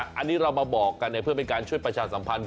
อันนี้เรามาบอกกันเพื่อเป็นการช่วยประชาสัมพันธ์